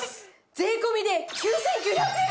税込で９９００円！